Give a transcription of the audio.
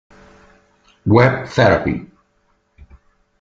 Web Therapy